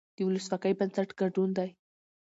د ولسواکۍ بنسټ ګډون دی